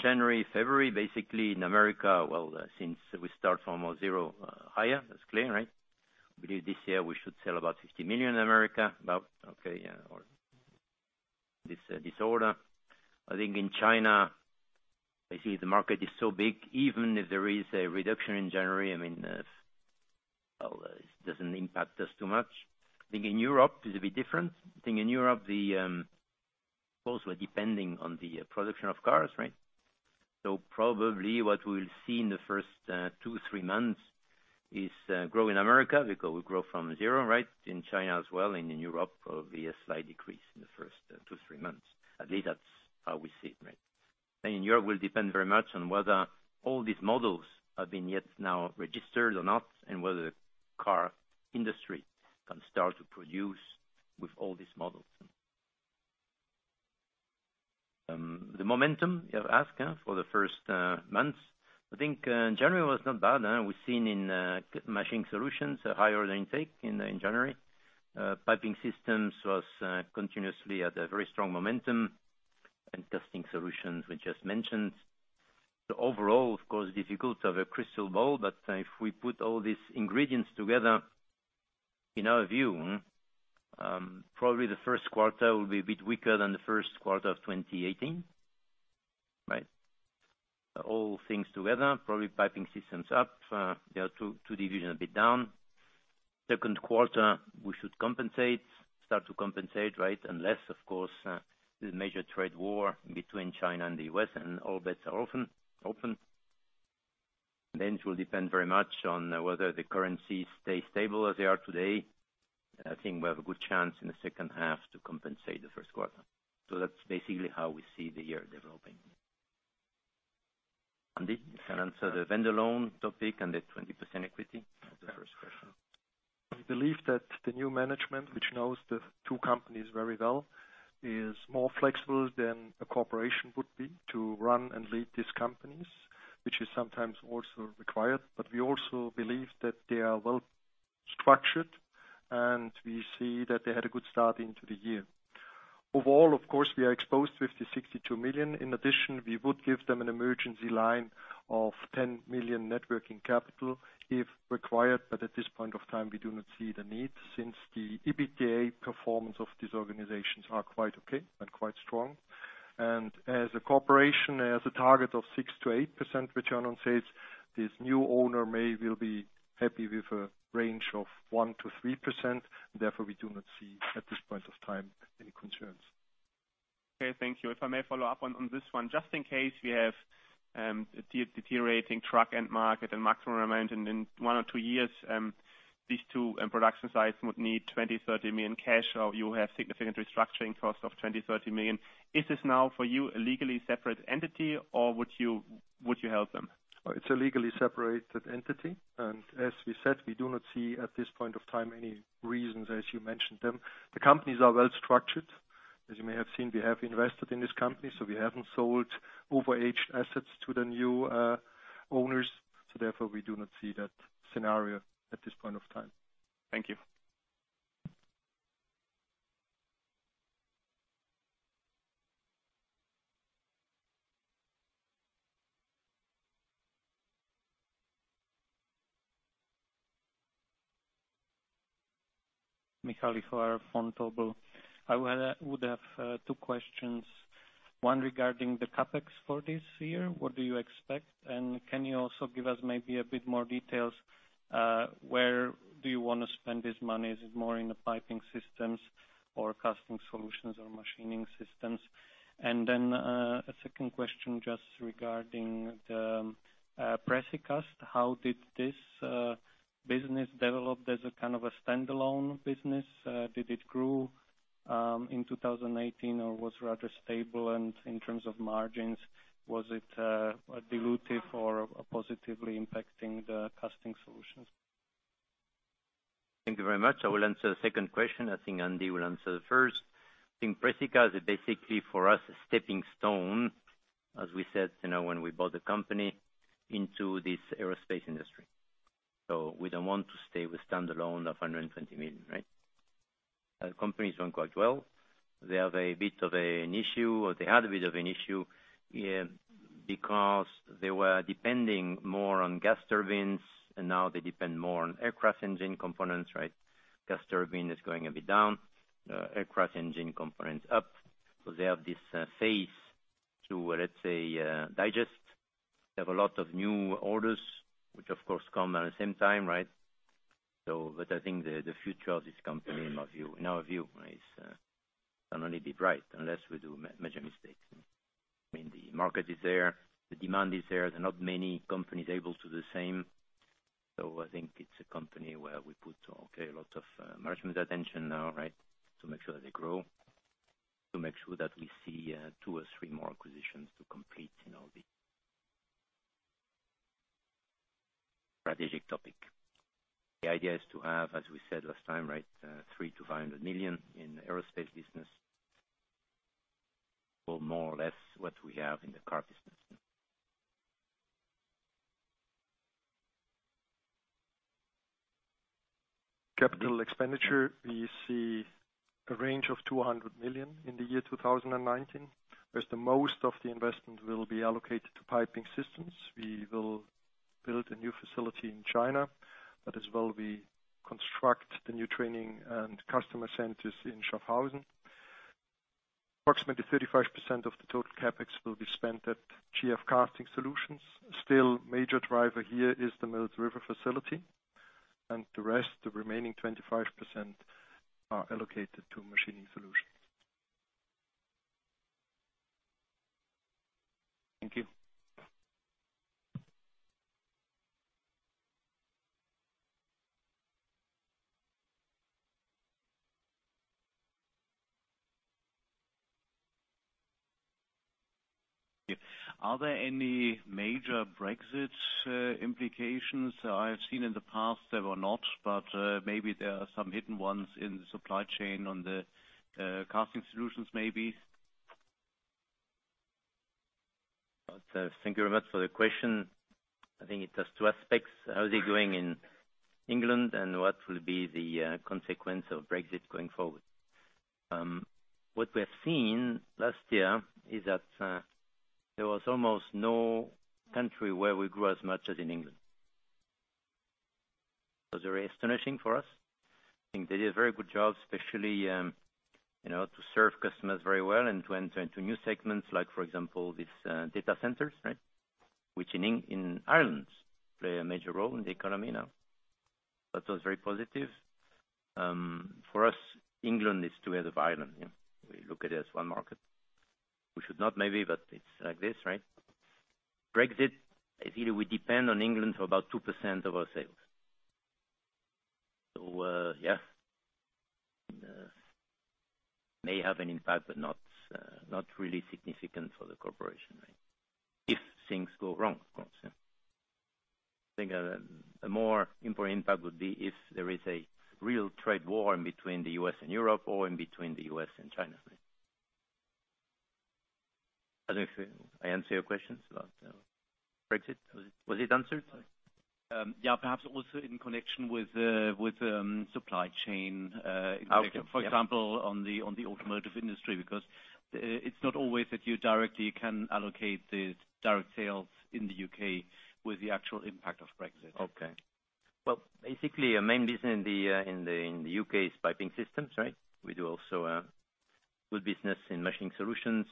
January, February, basically in America, well, since we start from zero higher, that's clear. We believe this year we should sell about 50 million in America, about. I think in China, I see the market is so big, even if there is a reduction in January, it doesn't impact us too much. I think in Europe it's a bit different. I think in Europe, the-- also depending on the production of cars. Probably what we'll see in the first two, three months is growth in America, because we grow from zero. In China as well and in Europe, probably a slight decrease in the first two, three months. At least that's how we see it. In Europe will depend very much on whether all these models have been yet now registered or not, and whether the car industry can start to produce with all these models. The momentum you have asked for the first months. I think January was not bad. We've seen in Machining Solutions, a higher intake in January. Piping Systems was continuously at a very strong momentum. Casting Solutions, we just mentioned. Overall, of course, difficult to have a crystal ball, but if we put all these ingredients together, in our view, probably the first quarter will be a bit weaker than the first quarter of 2018. All things together, probably Piping Systems up. There are two divisions a bit down. Second quarter, we should start to compensate. Unless, of course, there's a major trade war between China and the U.S., and all bets are open. It will depend very much on whether the currencies stay stable as they are today. I think we have a good chance in the second half to compensate the first quarter. That's basically how we see the year developing. Andy, you can answer the vendor loan topic and the 20% equity, the first question. We believe that the new management, which knows the two companies very well, is more flexible than a corporation would be to run and lead these companies, which is sometimes also required. We also believe that they are well-structured, and we see that they had a good start into the year. Overall, of course, we are exposed 50 million, 62 million. In addition, we would give them an emergency line of 10 million net working capital if required. At this point of time, we do not see the need since the EBITDA performance of these organizations are quite okay and quite strong. As a corporation has a target of 6%-8% return on sales, this new owner may will be happy with a range of 1%-3%, and therefore we do not see at this point of time any concerns. Okay. Thank you. If I may follow up on this one, just in case we have a deteriorating truck end market and maximum amount in one or two years, these two production sites would need 20 million, 30 million cash, or you have significant restructuring cost of 20 million, 30 million. Is this now for you a legally separate entity or would you help them? It's a legally separated entity, and as we said, we do not see at this point of time any reasons, as you mentioned them. The companies are well-structured. As you may have seen, we have invested in this company, so we haven't sold overaged assets to the new owners. Therefore, we do not see that scenario at this point of time. Thank you. we see a range of CHF 200 million in the year 2019. As to most of the investment will be allocated to Piping Systems. build a new facility in China. As well we construct the new training and customer centers in Schaffhausen. Approximately 35% of the total CapEx will be spent at GF Casting Solutions. Still major driver here is the Mills River facility, and the rest, the remaining 25%, are allocated to Machining Solutions. Thank you. Are there any major Brexit implications? I have seen in the past there were not, but maybe there are some hidden ones in the supply chain on the Casting Solutions maybe. Thank you very much for the question. I think it has two aspects. How's it going in England and what will be the consequence of Brexit going forward? What we have seen last year is that there was almost no country where we grew as much as in England. It was very astonishing for us. I think they did a very good job, especially to serve customers very well and to enter into new segments like, for example, these data centers. Which in Ireland play a major role in the economy now. That was very positive. For us, England is together with Ireland. We look at it as one market. We should not maybe, but it's like this. Brexit, I feel we depend on England for about 2% of our sales. Yeah. May have an impact, but not really significant for the corporation. If things go wrong, of course. I think a more important impact would be if there is a real trade war in between the U.S. and Europe or in between the U.S. and China. I don't know if I answered your questions about Brexit. Was it answered? Yeah. Perhaps also in connection with supply chain- Okay. For example, on the automotive industry, because it's not always that you directly can allocate the direct sales in the U.K. with the actual impact of Brexit. Okay. Well, basically, our main business in the U.K. is Piping Systems. We do also good business in Machining Solutions.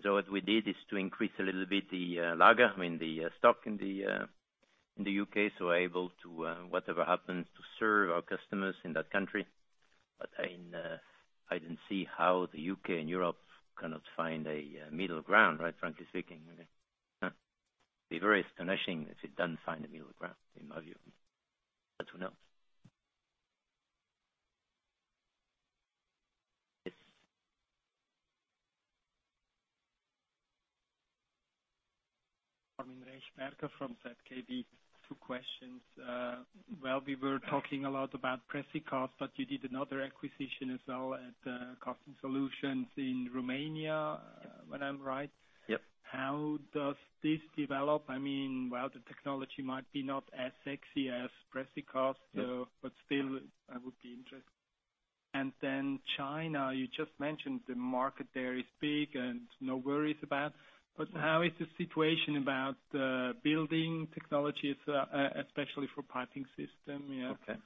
What we did is to increase a little bit the lager, the stock in the U.K., so we're able to, whatever happens, to serve our customers in that country. I didn't see how the U.K. and Europe cannot find a middle ground, frankly speaking. It'd be very astonishing if it doesn't find a middle ground, in my view. Who knows? Yes. Armin Rechberger from ZKB. Two questions. While we were talking a lot about Precicast, you did another acquisition as well at Casting Solutions in Romania, when I'm right? Yep. How does this develop? While the technology might be not as sexy as Precicast. Yeah Still, I would be interested. China, you just mentioned the market there is big and no worries about, but how is the situation about building technologies, especially for Piping System? Okay.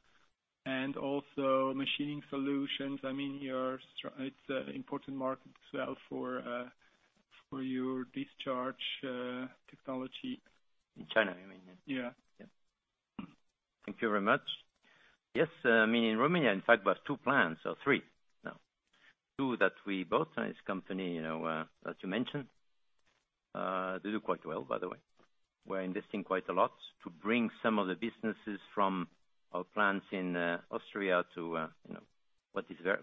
Also Machining Solutions. It's an important market as well for your discharge technology. In China, you mean? Yeah. Yeah. Thank you very much. Yes, in Romania, in fact, we have two plants or three now. Two that we bought in this company, as you mentioned. They do quite well, by the way. We're investing quite a lot to bring some of the businesses from our plants in Austria to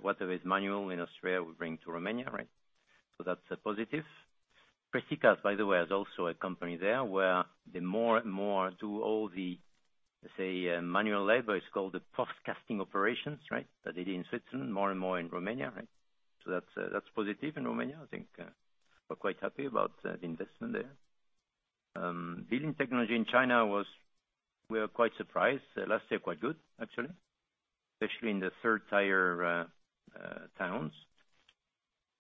whatever is manual in Austria, we bring to Romania. That's a positive. Precicast, by the way, has also a company there where they more do all the, let's say, manual labor. It's called the post-casting operations. They did it in Switzerland, more and more in Romania. That's positive in Romania. I think we're quite happy about the investment there. Building technology in China, we are quite surprised. Last year, quite good, actually. Especially in the 3rd tier towns.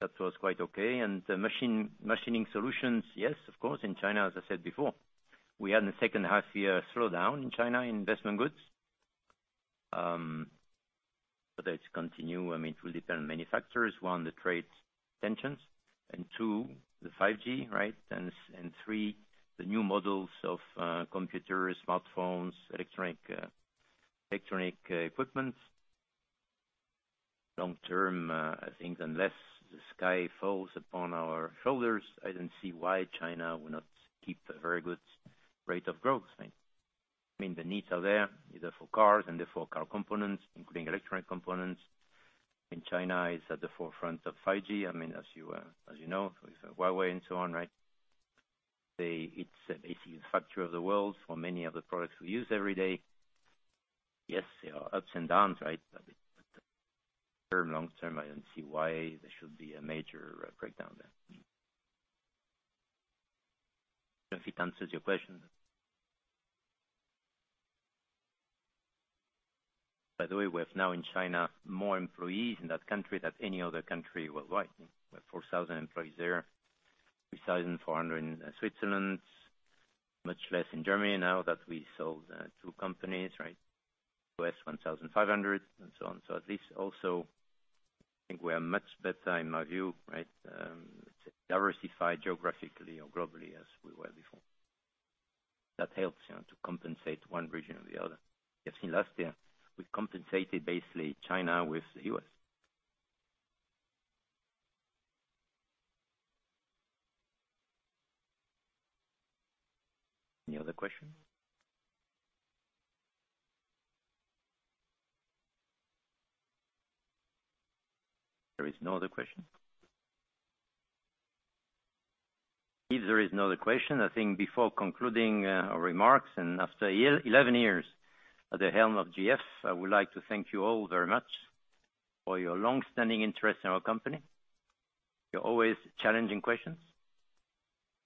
That was quite okay. The GF Machining Solutions, yes, of course, in China, as I said before. We had in the second half year a slowdown in China in investment goods. That continue, it will depend on many factors. One, the trade tensions, two, the 5G. Three, the new models of computers, smartphones, electronic equipment. Long term, I think unless the sky falls upon our shoulders, I don't see why China will not keep a very good rate of growth. The needs are there, either for cars and therefore car components, including electronic components. China is at the forefront of 5G. As you know, with Huawei and so on. It's basically the factory of the world for many of the products we use every day. Yes, there are ups and downs. Short-term, long-term, I don't see why there should be a major breakdown there. Don't know if it answers your question. By the way, we have now in China more employees in that country than any other country worldwide. We have 4,000 employees there, 3,400 in Switzerland, much less in Germany now that we sold two companies. U.S., 1,500, and so on. At least also, I think we are much better, in my view, let's say diversified geographically or globally as we were before. That helps to compensate one region or the other. You have seen last year, we compensated basically China with the U.S. Any other questions? There is no other question. If there is no other question, I think before concluding our remarks, and after 11 years at the helm of GF, I would like to thank you all very much for your longstanding interest in our company, your always challenging questions,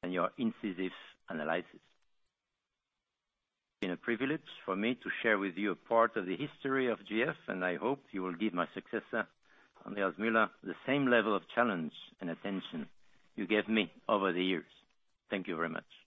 and your incisive analysis. It's been a privilege for me to share with you a part of the history of GF, and I hope you will give my successor, Andreas Müller, the same level of challenge and attention you gave me over the years. Thank you very much.